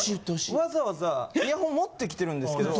わざわざイヤホン持ってきてるんですけど。